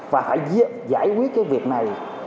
và phải giải quyết cái việc này